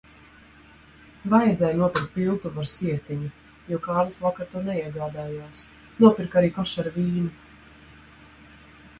Vajadzēja nopirkt piltuvi ar sietiņu, jo Kārlis vakar to neiegādājās. Nopirku arī kosher vīnu.